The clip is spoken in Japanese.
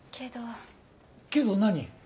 けど何？